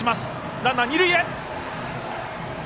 ランナーは二塁へ。